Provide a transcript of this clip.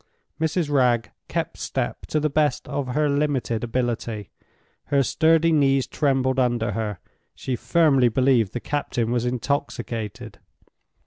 Mrs. Wragge kept step to the best of her limited ability. Her sturdy knees trembled under her. She firmly believed the captain was intoxicated.